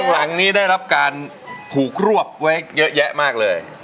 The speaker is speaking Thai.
หลังนี้ได้รับการถูกรวบไว้เยอะแยะมากเลย